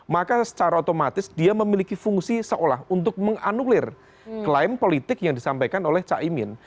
maka secara otomatis dia memiliki fungsi seolah untuk menganulir klaim politik yang disampaikan oleh caimin